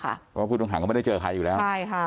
เพราะว่าผู้ต้องหาก็ไม่ได้เจอใครอยู่แล้วใช่ค่ะ